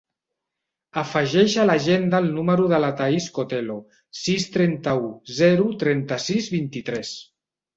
Afegeix a l'agenda el número de la Thaís Cotelo: sis, trenta-u, zero, trenta-sis, vint-i-tres.